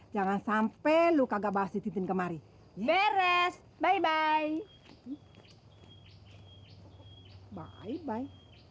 jangan sampai lu kagak bahas di tim kemarin beres bye bye bye bye